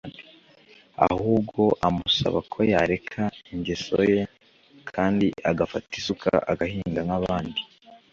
ahubwo amusaba ko yareka ingeso ye kandi agafata isuka agahinga nk’abandi.